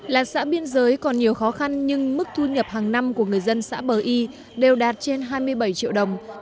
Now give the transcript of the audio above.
là xã biên giới còn nhiều khó khăn nhưng mức thu nhập hàng năm của người dân xã bờ y đều đạt trên hai mươi bảy triệu đồng